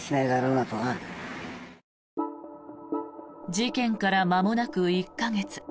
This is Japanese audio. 事件からまもなく１か月。